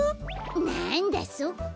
なんだそっか。